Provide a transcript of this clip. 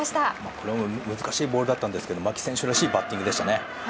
これは難しいボールだったんですけど牧選手らしいバッティングでしたね。